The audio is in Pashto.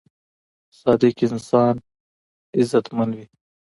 صادق انسان عزتمن وي.